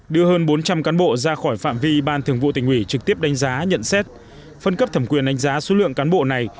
đưa hơn bốn trăm linh cán bộ ra khỏi phạm vi ban thường vụ tỉnh ủy trực tiếp đánh giá nhận xét phân cấp thẩm quyền đánh giá số lượng cán bộ này